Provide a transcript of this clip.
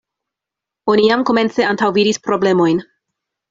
Oni jam komence antaŭvidis problemojn.